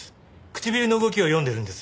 唇の動きを読んでるんです。